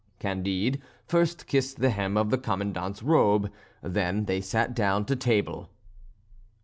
Candide first kissed the hem of the Commandant's robe, then they sat down to table.